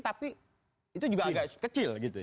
tapi itu juga agak kecil gitu ya